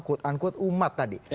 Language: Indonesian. kut ankut umat tadi